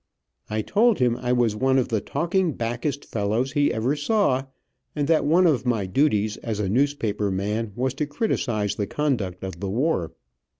I told him I was one of the talking backest fellows he ever saw, and that one of my duties as a newspaper man was to criticise the conduct of the war.